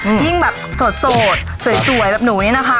อื้อยิ่งแบบโสดโสดแบบหนูนี่นะคะ